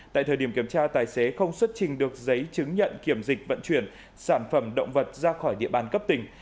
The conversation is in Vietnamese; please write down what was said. tại thời điểm kiểm tra tài xế không xuất trình được giấy chứng nhận kiểm dịch vận chuyển sản phẩm động vật ra khỏi địa bàn cấp tỉnh